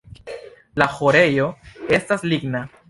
La ĥorejo estas ligna.